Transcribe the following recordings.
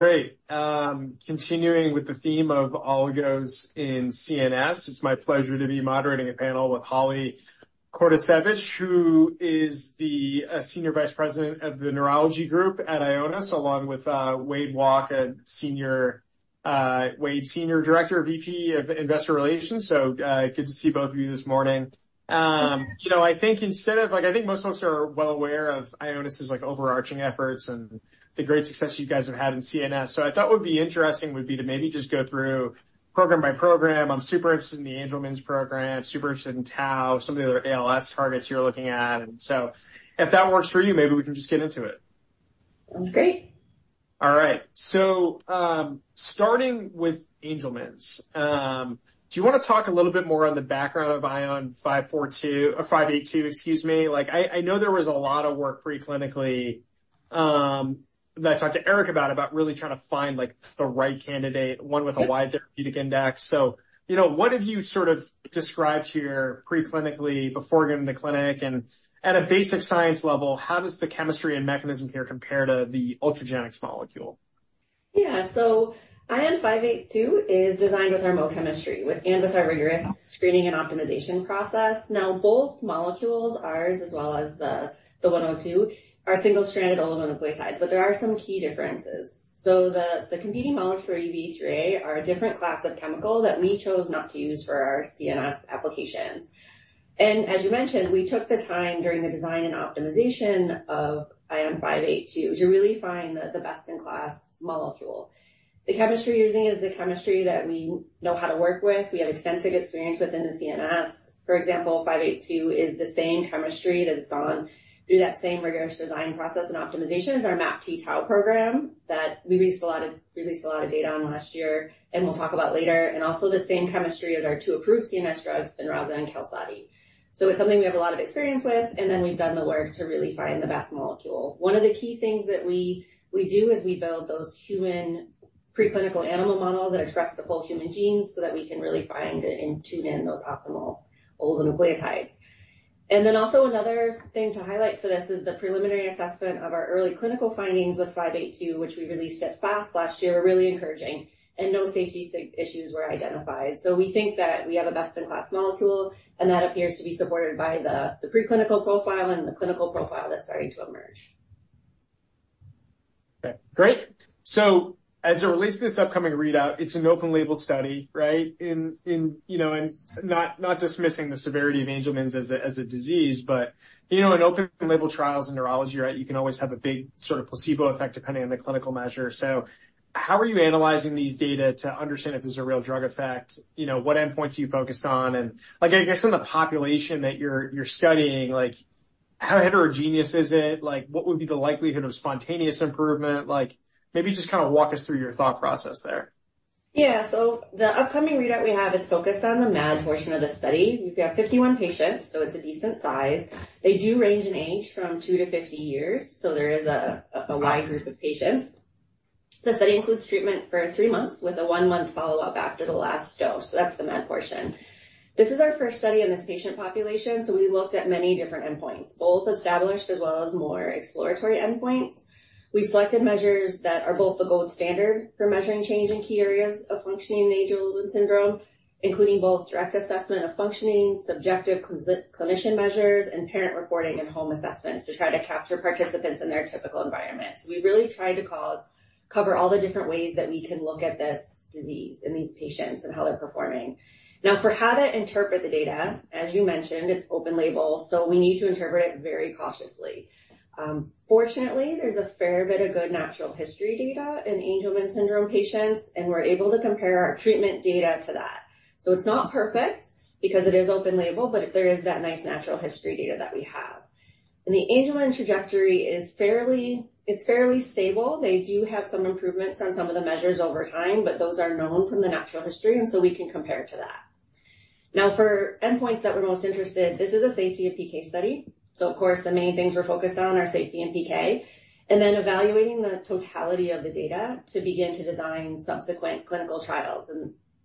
Great. Continuing with the theme of oligos in CNS, it's my pleasure to be moderating a panel with Holly Kordasiewicz, who is the Senior Vice President of the Neurology Group at Ionis, along with Wade Walke, Senior Director, VP of Investor Relations. So, good to see both of you this morning. You know, I think instead of, like, I think most folks are well aware of Ionis' like, overarching efforts and the great success you guys have had in CNS. So I thought what would be interesting would be to maybe just go through program by program. I'm super interested in the Angelman's program, super interested in tau, some of the other ALS targets you're looking at. And so if that works for you, maybe we can just get into it. Sounds great. All right. So, starting with Angelman's, do you wanna talk a little bit more on the background of ION 42-- or 582, excuse me? Like I know there was a lot of work pre-clinically, that I talked to Eric about, about really trying to find, like, the right candidate, one with a wide therapeutic index. So, you know, what have you sort of described here pre-clinically before getting to the clinic? And at a basic science level, how does the chemistry and mechanism here compare to the Ultragenyx molecule? Yeah. So ION582 is designed with our MOE chemistry, with—and with our rigorous screening and optimization process. Now, both molecules, ours as well as the, the 102, are single-stranded oligonucleotides, but there are some key differences. So the, the competing molecules for UBE3A are a different class of chemical that we chose not to use for our CNS applications. And as you mentioned, we took the time during the design and optimization of ION582 to really find the, the best-in-class molecule. The chemistry we're using is the chemistry that we know how to work with. We have extensive experience within the CNS. For example, ION582 is the same chemistry that has gone through that same rigorous design process, and optimization as our MAPT tau program that we released a lot of data on last year, and we'll talk about later. And also the same chemistry as our two approved CNS drugs, Spinraza and Qalsody. So it's something we have a lot of experience with, and then we've done the work to really find the best molecule. One of the key things that we do is we build those human preclinical animal models that express the full human genes, so that we can really find and tune in those optimal oligonucleotides. And then also another thing to highlight for this is the preliminary assessment of our early clinical findings with ION582, which we released at FAST last year, are really encouraging, and no safety signal issues were identified. So we think that we have a best-in-class molecule, and that appears to be supported by the preclinical profile and the clinical profile that's starting to emerge. Okay, great. So as it relates to this upcoming readout, it's an open-label study, right? In, you know, and not dismissing the severity of Angelman's as a disease, but, you know, in open-label trials in neurology, right, you can always have a big sort of placebo effect, depending on the clinical measure. So how are you analyzing these data to understand if there's a real drug effect? You know, what endpoints are you focused on? And, like, I guess, in the population that you're studying, like, how heterogeneous is it? Like, what would be the likelihood of spontaneous improvement? Like, maybe just kind of walk us through your thought process there. Yeah. So the upcoming readout we have is focused on the MAD portion of the study. We've got 51 patients, so it's a decent size. They do range in age from 2 to 50 years, so there is a wide group of patients. The study includes treatment for 3 months, with a 1-month follow-up after the last dose. So that's the MAD portion. This is our first study in this patient population, so we looked at many different endpoints, both established as well as more exploratory endpoints. We selected measures that are both the gold standard for measuring change in key areas of functioning in Angelman syndrome, including both direct assessment of functioning, subjective clinician measures, and parent reporting and home assessments to try to capture participants in their typical environment. So we really tried to cover all the different ways that we can look at this disease in these patients and how they're performing. Now, for how to interpret the data, as you mentioned, it's open label, so we need to interpret it very cautiously. Fortunately, there's a fair bit of good natural history data in Angelman syndrome patients, and we're able to compare our treatment data to that. So it's not perfect because it is open label, but there is that nice natural history data that we have. And the Angelman trajectory is fairly stable. They do have some improvements on some of the measures over time, but those are known from the natural history, and so we can compare to that. Now, for endpoints that we're most interested, this is a safety and PK study, so of course, the main things we're focused on are safety and PK, and then evaluating the totality of the data to begin to design subsequent clinical trials.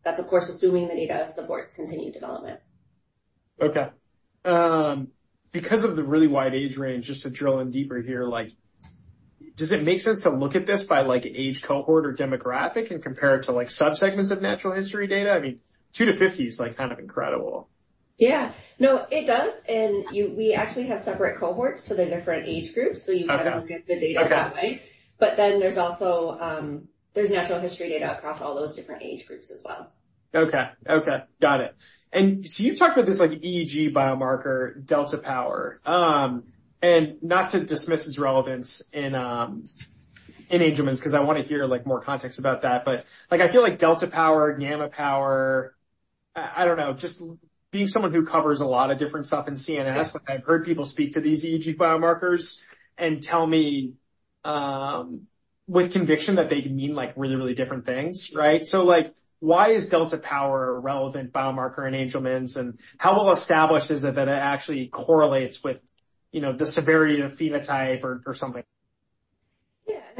That's, of course, assuming the data supports continued development. Okay. Because of the really wide age range, just to drill in deeper here, like, does it make sense to look at this by, like, age cohort or demographic and compare it to, like, subsegments of natural history data? I mean, 2 to 50 is, like, kind of incredible. Yeah. No, it does, and we actually have separate cohorts for the different age groups. Okay. You can look at the data- Okay... that way. But then there's also, there's natural history data across all those different age groups as well. Okay, okay. Got it. And so you've talked about this, like, EEG biomarker, delta power. And not to dismiss its relevance in Angelman's, 'cause I wanna hear, like, more context about that. But, like, I feel like delta power, gamma power, I don't know, just being someone who covers a lot of different stuff in CNS- Yeah... like, I've heard people speak to these EEG biomarkers and tell me, with conviction, that they mean, like, really, really different things, right? So, like, why is delta power a relevant biomarker in Angelman's, and how well established is it that it actually correlates with, you know, the severity of phenotype or, or something?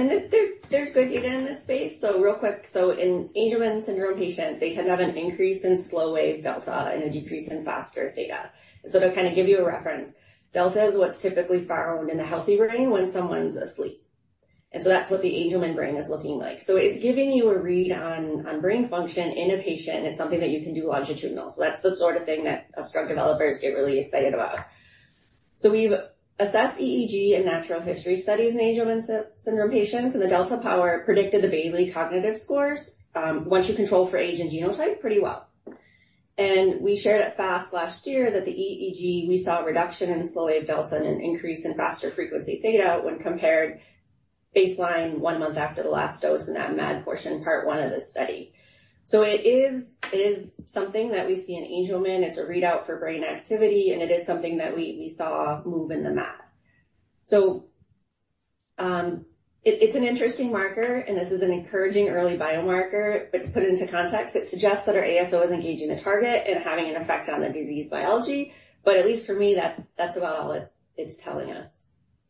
Yeah. And there, there's good data in this space. So real quick, so in Angelman syndrome patients, they tend to have an increase in slow-wave delta and a decrease in faster theta. So to kind of give you a reference, delta is what's typically found in the healthy brain when someone's asleep.... And so that's what the Angelman brain is looking like. So it's giving you a read on, on brain function in a patient, and it's something that you can do longitudinal. So that's the sort of thing that drug developers get really excited about. So we've assessed EEG and natural history studies in Angelman syndrome patients, and the delta power predicted the Bayley cognitive scores, once you control for age and genotype pretty well. We shared at FAST last year that the EEG, we saw a reduction in slow-wave delta and an increase in faster frequency theta when compared baseline one month after the last dose in that MAD portion, part one of the study. So it is, it is something that we see in Angelman. It's a readout for brain activity, and it is something that we, we saw move in the MAD. So, it, it's an interesting marker, and this is an encouraging early biomarker. But to put it into context, it suggests that our ASO is engaging the target and having an effect on the disease biology. But at least for me, that- that's about all it, it's telling us.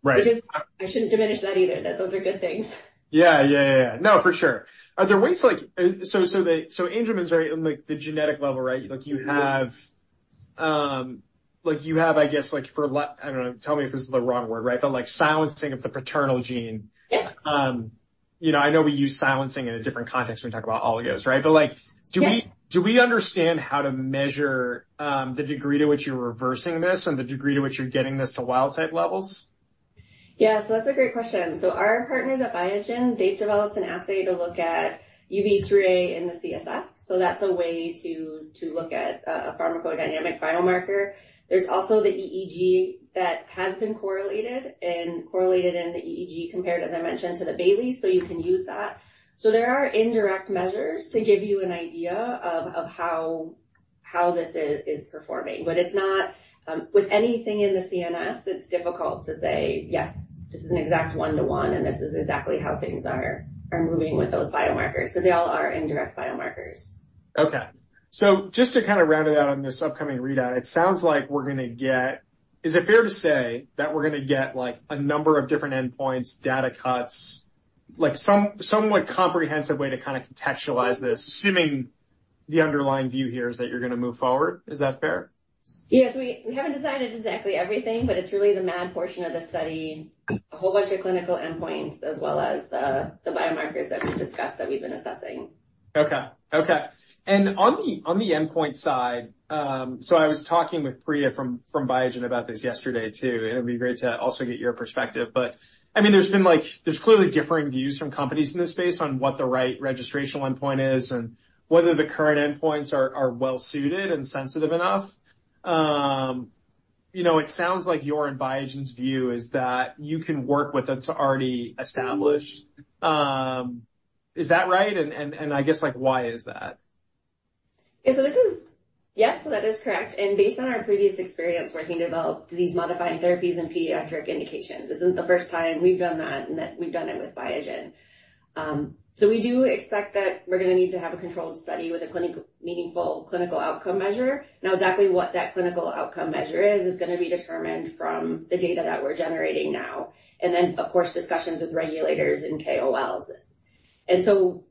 Right. Which is, I shouldn't diminish that either, that those are good things. Yeah, yeah, yeah. No, for sure. Are there ways like... So, Angelman is very, in, like, the genetic level, right? Like you have, like you have, I guess, like, for lack... I don't know. Tell me if this is the wrong word, right? But, like, silencing of the paternal gene. Yeah. you know, I know we use silencing in a different context when we talk about oligos, right? But, like- Yeah. Do we, do we understand how to measure the degree to which you're reversing this and the degree to which you're getting this to wild type levels? Yeah, so that's a great question. So our partners at Biogen, they've developed an assay to look at UBE3A in the CSF. So that's a way to look at a pharmacodynamic biomarker. There's also the EEG that has been correlated, and correlated in the EEG, compared, as I mentioned, to the Bayley. So you can use that. So there are indirect measures to give you an idea of how this is performing. But it's not... With anything in the CNS, it's difficult to say, "Yes, this is an exact one-to-one, and this is exactly how things are moving with those biomarkers," 'cause they all are indirect biomarkers. Okay. So just to kind of round it out on this upcoming readout, it sounds like we're gonna get. Is it fair to say that we're gonna get, like, a number of different endpoints, data cuts, like, some somewhat comprehensive way to kinda contextualize this, assuming the underlying view here is that you're gonna move forward? Is that fair? Yes. We haven't decided exactly everything, but it's really the MAD portion of the study, a whole bunch of clinical endpoints, as well as the biomarkers that we've discussed, that we've been assessing. Okay. Okay. On the endpoint side, so I was talking with Priya from Biogen about this yesterday, too, and it'd be great to also get your perspective. But I mean, there's been like there's clearly differing views from companies in this space on what the right registrational endpoint is and whether the current endpoints are well suited and sensitive enough. You know, it sounds like your and Biogen's view is that you can work with what's already established. Is that right? And I guess, like, why is that? Yeah, so this is... Yes, so that is correct, and based on our previous experience working to develop disease-modifying therapies in pediatric indications, this isn't the first time we've done that, and that we've done it with Biogen. So we do expect that we're gonna need to have a controlled study with a clinical meaningful clinical outcome measure. Now, exactly what that clinical outcome measure is, is gonna be determined from the data that we're generating now and then, of course, discussions with regulators and KOLs. So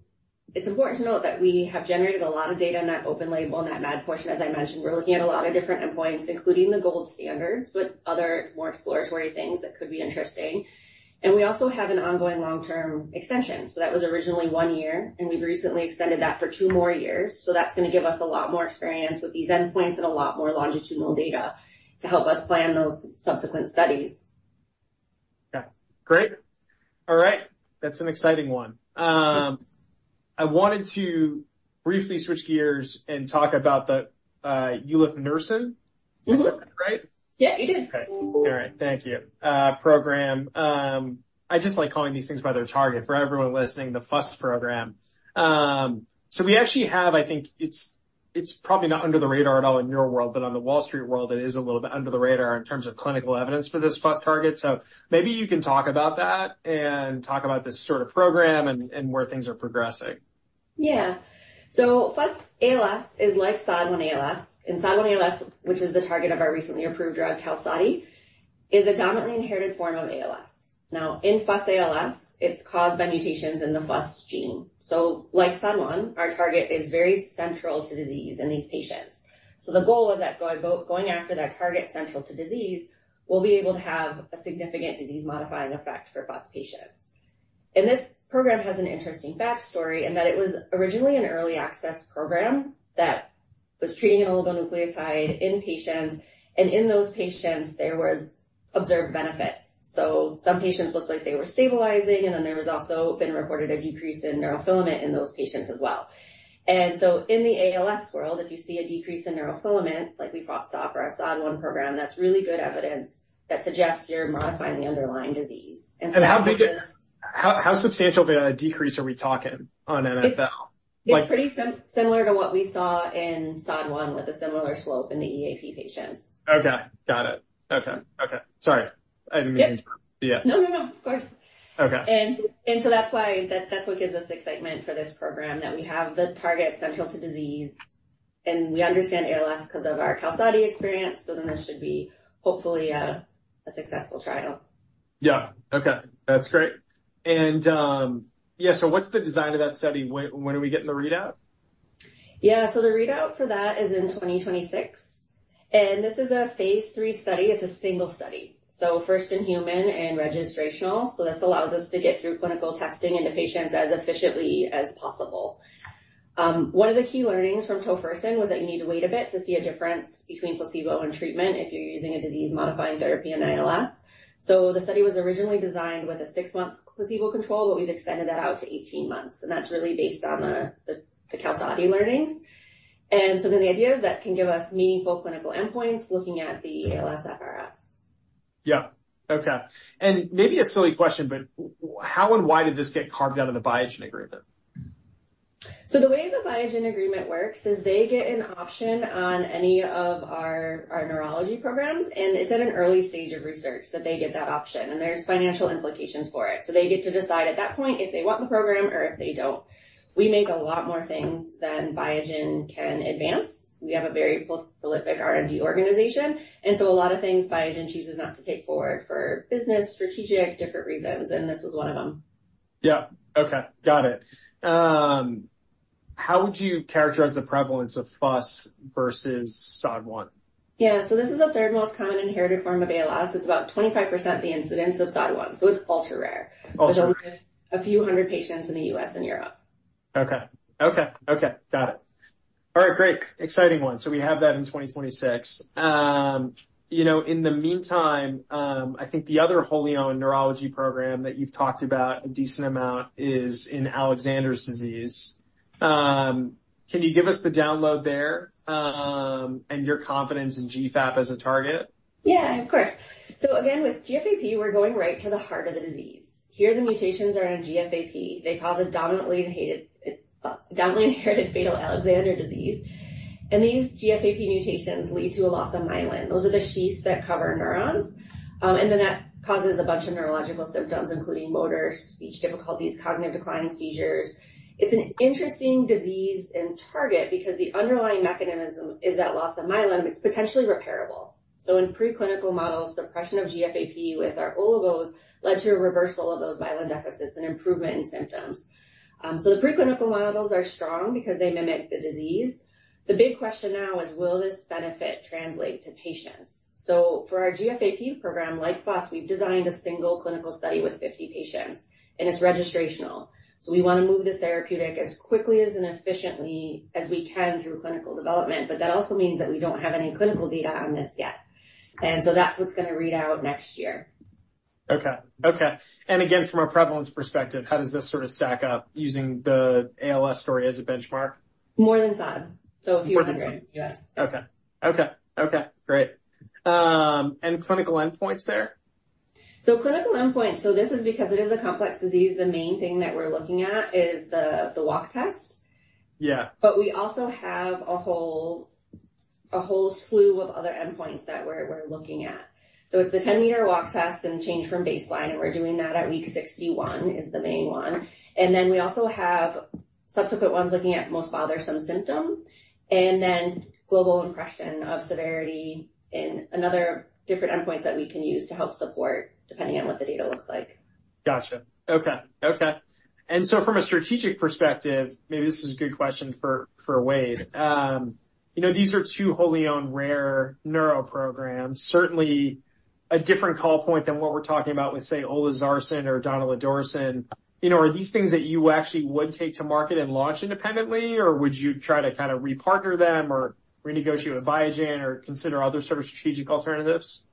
it's important to note that we have generated a lot of data in that open label, in that MAD portion, as I mentioned. We're looking at a lot of different endpoints, including the gold standards, but other more exploratory things that could be interesting. We also have an ongoing long-term extension. So that was originally one year, and we've recently extended that for two more years. So that's gonna give us a lot more experience with these endpoints and a lot more longitudinal data to help us plan those subsequent studies. Yeah. Great. All right, that's an exciting one. I wanted to briefly switch gears and talk about the ulefnersen. Mm-hmm. Is that right? Yeah, you did. Okay. All right, thank you. I just like calling these things by their target. For everyone listening, the FUS program. So we actually have... I think it's, it's probably not under the radar at all in your world, but on the Wall Street world, it is a little bit under the radar in terms of clinical evidence for this FUS target. So maybe you can talk about that and talk about this sort of program and, and where things are progressing. Yeah. So FUS-ALS is like SOD1-ALS, and SOD1-ALS, which is the target of our recently approved drug, Qalsody, is a dominantly inherited form of ALS. Now, in FUS-ALS, it's caused by mutations in the FUS gene. So like SOD1, our target is very central to disease in these patients. So the goal is that by going after that target central to disease, we'll be able to have a significant disease-modifying effect for FUS patients. And this program has an interesting backstory, in that it was originally an early access program that was treating an oligonucleotide in patients, and in those patients, there was observed benefits. So some patients looked like they were stabilizing, and then there was also been reported a decrease in neurofilament in those patients as well. In the ALS world, if you see a decrease in neurofilament, like we saw for our SOD1 program, that's really good evidence that suggests you're modifying the underlying disease. And so- How substantial of a decrease are we talking on NfL? Like- It's pretty similar to what we saw in SOD1, with a similar slope in the EAP patients. Okay, got it. Okay. Okay. Sorry. I didn't mean- Yeah. Yeah. No, no, no, of course. Okay. So that's why that's what gives us the excitement for this program, that we have the target central to disease, and we understand ALS 'cause of our Qalsody experience, so then this should be hopefully a successful trial. Yeah. Okay, that's great. And, yeah, so what's the design of that study? When, when are we getting the readout?... Yeah, so the readout for that is in 2026, and this is a phase III study. It's a single study, so first in human and registrational. So this allows us to get through clinical testing into patients as efficiently as possible. One of the key learnings from tofersen was that you need to wait a bit to see a difference between placebo and treatment if you're using a disease-modifying therapy in ALS. So the study was originally designed with a 6-month placebo control, but we've extended that out to 18 months, and that's really based on the, the Qalsody learnings. And so then the idea is that can give us meaningful clinical endpoints looking at the ALSFRS. Yeah. Okay. And maybe a silly question, but how and why did this get carved out of the Biogen agreement? So the way the Biogen agreement works is they get an option on any of our neurology programs, and it's at an early stage of research that they get that option, and there's financial implications for it. So they get to decide at that point, if they want the program or if they don't. We make a lot more things than Biogen can advance. We have a very prolific R&D organization, and so a lot of things Biogen chooses not to take forward for business, strategic, different reasons, and this was one of them. Yeah. Okay, got it. How would you characterize the prevalence of FUS versus SOD1? Yeah. This is the third most common inherited form of ALS. It's about 25% the incidence of SOD1, so it's ultra-rare. Ultra- A few hundred patients in the U.S. and Europe. Okay. Okay, okay, got it. All right, great. Exciting one. So we have that in 2026. You know, in the meantime, I think the other wholly owned neurology program that you've talked about a decent amount is in Alexander disease. Can you give us the download there, and your confidence in GFAP as a target? Yeah, of course. So again, with GFAP, we're going right to the heart of the disease. Here, the mutations are on GFAP. They cause a dominantly inherited fatal Alexander disease, and these GFAP mutations lead to a loss of myelin. Those are the sheaths that cover neurons. And then that causes a bunch of neurological symptoms, including motor, speech difficulties, cognitive decline, and seizures. It's an interesting disease and target because the underlying mechanism is that loss of myelin, but it's potentially repairable. So in preclinical models, suppression of GFAP with our oligos leads to a reversal of those myelin deficits and improvement in symptoms. So the preclinical models are strong because they mimic the disease. The big question now is, will this benefit translate to patients? So for our GFAP program, like FUS, we've designed a single clinical study with 50 patients, and it's registrational. So we want to move this therapeutic as quickly as and efficiently as we can through clinical development. But that also means that we don't have any clinical data on this yet, and so that's what's gonna read out next year. Okay. Okay. And again, from a prevalence perspective, how does this sort of stack up using the ALS story as a benchmark? More than SOD, so a few hundred- More than SOD. Yes. Okay. Okay, okay, great. And clinical endpoints there? Clinical endpoints, so this is because it is a complex disease, the main thing that we're looking at is the walk test. Yeah. But we also have a whole, a whole slew of other endpoints that we're, we're looking at. So it's the 10-meter walk test and change from baseline, and we're doing that at week 61, is the main one. And then we also have subsequent ones looking at most bothersome symptom, and then global impression of severity and another... different endpoints that we can use to help support, depending on what the data looks like. Gotcha. Okay. Okay. So from a strategic perspective, maybe this is a good question for Wade. You know, these are two wholly owned rare neuro programs, certainly a different call point than what we're talking about with, say, olezarsen or donidalorsen. You know, are these things that you actually would take to market and launch independently, or would you try to kinda re-partner them or renegotiate with Biogen or consider other sort of strategic alternatives?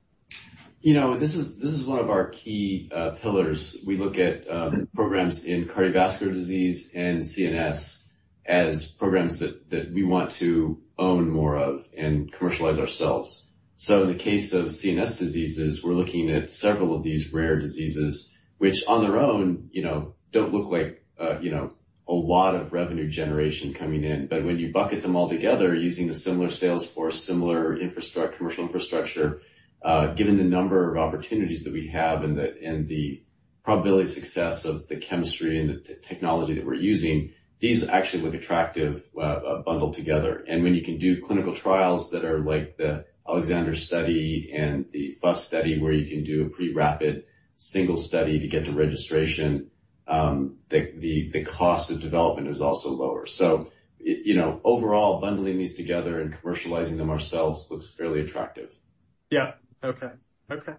You know, this is one of our key pillars. We look at programs in cardiovascular disease and CNS as programs that we want to own more of and commercialize ourselves. So in the case of CNS diseases, we're looking at several of these rare diseases, which on their own, you know, don't look like a lot of revenue generation coming in. But when you bucket them all together using a similar sales force, similar commercial infrastructure, given the number of opportunities that we have and the probability of success of the chemistry and the technology that we're using, these actually look attractive, bundled together. And when you can do clinical trials that are like the Alexander study and the FUS study, where you can do a pretty rapid single study to get to registration, the cost of development is also lower. So, you know, overall, bundling these together and commercializing them ourselves looks fairly attractive. Yeah. Okay. Okay.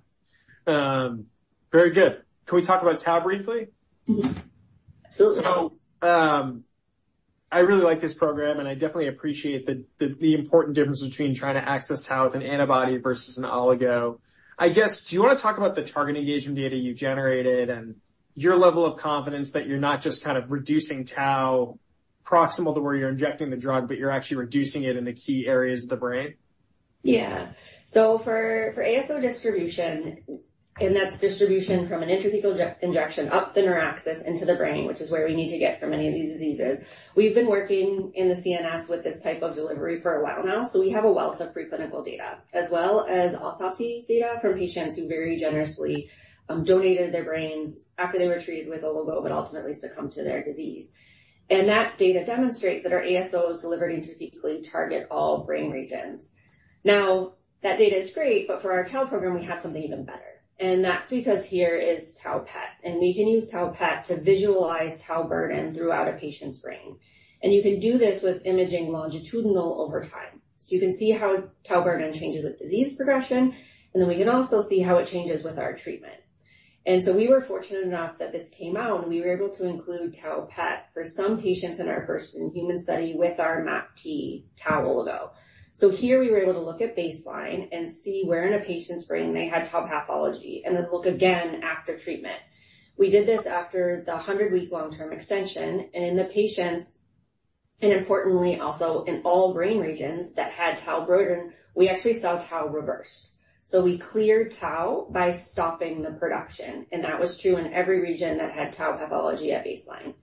Very good. Can we talk about tau briefly? Mm-hmm. So, I really like this program, and I definitely appreciate the important difference between trying to access tau with an antibody versus an oligo. I guess, do you wanna talk about the target engagement data you generated and your level of confidence that you're not just kind of reducing tau proximal to where you're injecting the drug, but you're actually reducing it in the key areas of the brain? Yeah. So for ASO distribution, and that's distribution from an intrathecal injection up the neuraxis into the brain, which is where we need to get for many of these diseases. We've been working in the CNS with this type of delivery for a while now, so we have a wealth of preclinical data, as well as autopsy data from patients who very generously donated their brains after they were treated with oligo, but ultimately succumbed to their disease. And that data demonstrates that our ASO is delivered intrathecally to target all brain regions. Now, that data is great, but for our tau program, we have something even better. And that's because here is tau PET, and we can use tau PET to visualize tau burden throughout a patient's brain. And you can do this with imaging longitudinal over time. You can see how tau burden changes with disease progression, and then we can also see how it changes with our treatment. So we were fortunate enough that this came out, and we were able to include tau PET for some patients in our first-in-human study with our MAPT tau oligo. Here we were able to look at baseline and see where in a patient's brain they had tau pathology, and then look again after treatment. We did this after the 100-week long-term extension and in the patients, and importantly, also in all brain regions that had tau burden, we actually saw tau reverse. We cleared tau by stopping the production, and that was true in every region that had tau pathology at baseline.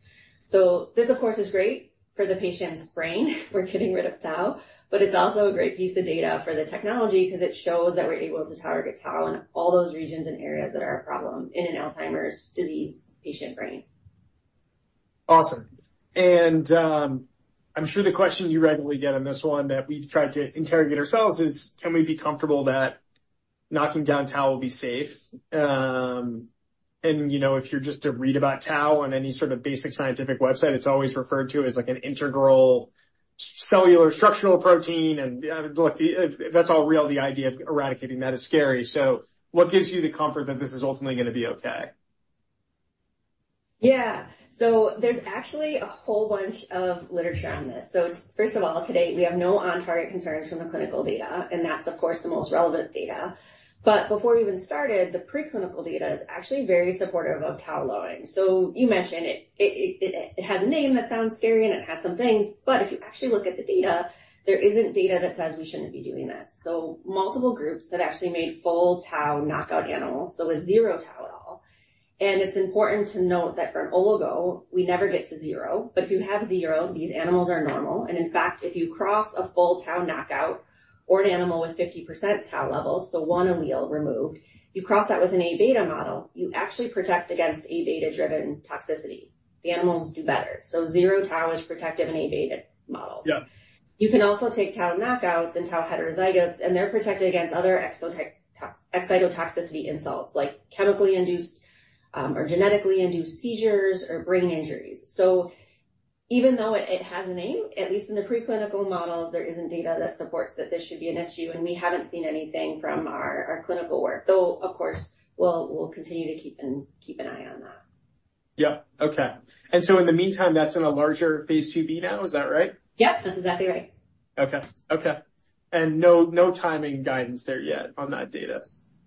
This, of course, is great for the patient's brain. We're getting rid of tau, but it's also a great piece of data for the technology 'cause it shows that we're able to target tau in all those regions and areas that are a problem in an Alzheimer's disease patient brain. Awesome. And, I'm sure the question you regularly get on this one that we've tried to interrogate ourselves is, can we be comfortable that knocking down tau will be safe? And, you know, if you're just to read about tau on any sort of basic scientific website, it's always referred to as, like, an integral cellular structural protein, and, look, if that's all real, the idea of eradicating that is scary. So what gives you the comfort that this is ultimately gonna be okay? Yeah. So there's actually a whole bunch of literature on this. So first of all, to date, we have no on-target concerns from the clinical data, and that's, of course, the most relevant data. But before we even started, the preclinical data is actually very supportive of tau lowering. So you mentioned it; it has a name that sounds scary, and it has some things, but if you actually look at the data, there isn't data that says we shouldn't be doing this. So multiple groups have actually made full tau knockout animals, so with zero tau at all, and it's important to note that for an oligo, we never get to zero, but if you have zero, these animals are normal. And in fact, if you cross a full tau knockout or an animal with 50% tau levels, so one allele removed, you cross that with an A-beta model, you actually protect against A-beta-driven toxicity. The animals do better. So zero tau is protective in A-beta models. Yeah. You can also take tau knockouts and tau heterozygotes, and they're protected against other excitotoxicity insults, like chemically induced or genetically induced seizures or brain injuries. So even though it has a name, at least in the preclinical models, there isn't data that supports that this should be an issue, and we haven't seen anything from our clinical work, though, of course, we'll continue to keep an eye on that. Yeah. Okay. So in the meantime, that's in a larger phase IIb now, is that right? Yeah, that's exactly right. Okay. Okay. No, no timing guidance there yet on that data?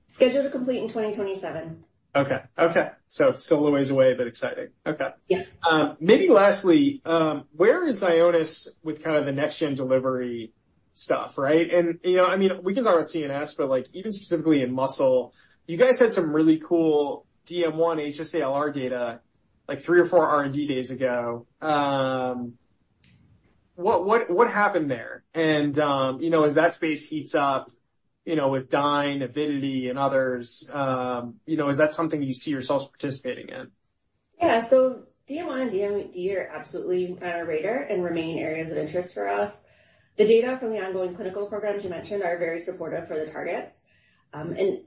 Scheduled to complete in 2027. Okay, okay. So still a ways away, but exciting. Okay. Yeah. Maybe lastly, where is Ionis with kind of the next-gen delivery stuff, right? And, you know, I mean, we can talk about CNS, but, like, even specifically in muscle, you guys had some really cool DM1 HSA-LR data, like three or four R&D days ago. What happened there? And, you know, as that space heats up, you know, with Dyne, Avidity, and others, you know, is that something you see yourselves participating in? Yeah. So DM1 and DMD are absolutely on our radar and remain areas of interest for us. The data from the ongoing clinical programs you mentioned are very supportive for the targets. And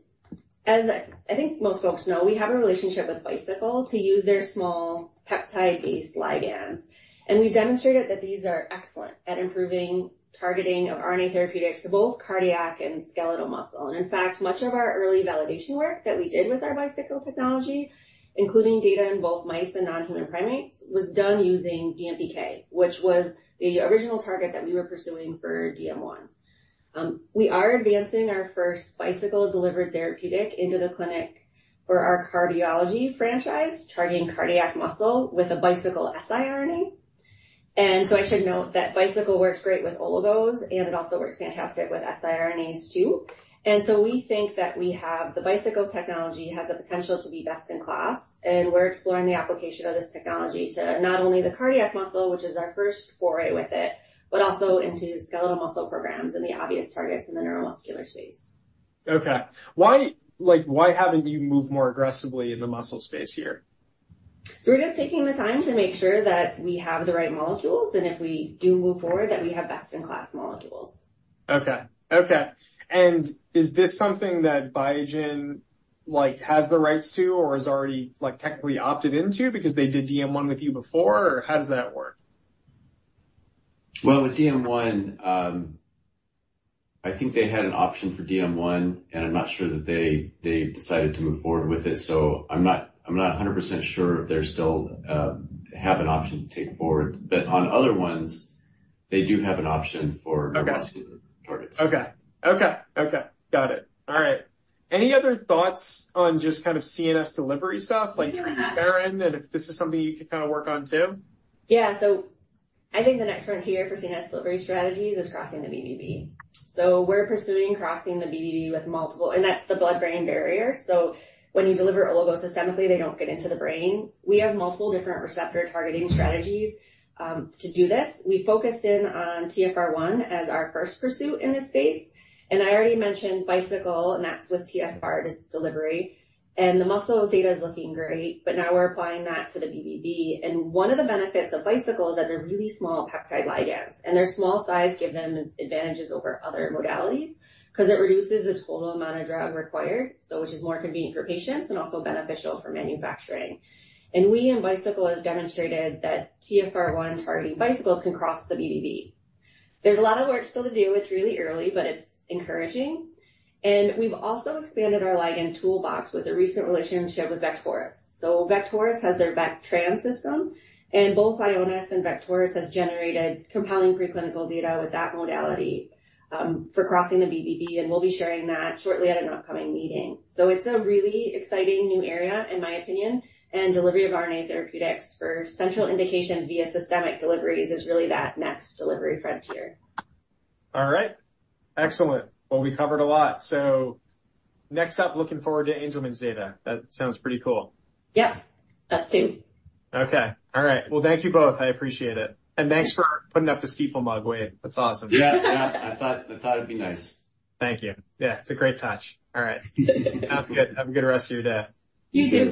as I think most folks know, we have a relationship with Bicycle to use their small peptide-based ligands. And we've demonstrated that these are excellent at improving targeting of RNA therapeutics for both cardiac and skeletal muscle. And in fact, much of our early validation work that we did with our Bicycle technology, including data in both mice and non-human primates, was done using DMPK, which was the original target that we were pursuing for DM1. We are advancing our first Bicycle delivered therapeutic into the clinic for our cardiology franchise, targeting cardiac muscle with a Bicycle siRNA. I should note that Bicycle works great with oligos, and it also works fantastic with siRNAs, too. We think that we have... The Bicycle technology has the potential to be best in class, and we're exploring the application of this technology to not only the cardiac muscle, which is our first foray with it, but also into skeletal muscle programs and the obvious targets in the neuromuscular space. Okay. Why, like, why haven't you moved more aggressively in the muscle space here? We're just taking the time to make sure that we have the right molecules, and if we do move forward, that we have best-in-class molecules. Okay. Okay. And is this something that Biogen, like, has the rights to or has already, like, technically opted into because they did DM1 with you before? Or how does that work? Well, with DM1, I think they had an option for DM1, and I'm not sure that they decided to move forward with it. So I'm not 100% sure if they still have an option to take it forward. But on other ones, they do have an option for- Okay - muscular targets. Okay. Okay, okay. Got it. All right. Any other thoughts on just kind of CNS delivery stuff, like transferrin, and if this is something you could kind of work on, too? Yeah. So I think the next frontier for CNS delivery strategies is crossing the BBB. So we're pursuing crossing the BBB with multiple... And that's the blood-brain barrier. So when you deliver oligo systemically, they don't get into the brain. We have multiple different receptor targeting strategies to do this. We focused in on TfR1 as our first pursuit in this space, and I already mentioned Bicycle, and that's with TfR delivery. And the muscle data is looking great, but now we're applying that to the BBB. And one of the benefits of Bicycle is that they're really small peptide ligands, and their small size give them advantages over other modalities 'cause it reduces the total amount of drug required, so which is more convenient for patients and also beneficial for manufacturing. And we in Bicycle have demonstrated that TfR1-targeting Bicycles can cross the BBB. There's a lot of work still to do. It's really early, but it's encouraging. We've also expanded our ligand toolbox with a recent relationship with Vect-Horus. So Vect-Horus has their VECTrans system, and both Ionis and Vect-Horus have generated compelling preclinical data with that modality for crossing the BBB, and we'll be sharing that shortly at an upcoming meeting. So it's a really exciting new area, in my opinion, and delivery of RNA therapeutics for central indications via systemic deliveries is really that next delivery frontier. All right. Excellent. Well, we covered a lot. So next up, looking forward to Angelman's data. That sounds pretty cool. Yeah, us too. Okay. All right. Well, thank you both. I appreciate it. Thanks for putting up the Stifel mug, Wade. That's awesome. Yeah. Yeah. I thought it'd be nice. Thank you. Yeah, it's a great touch. All right. Sounds good. Have a good rest of your day. You too.